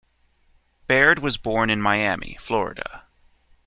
Baird was born in Miami, Florida.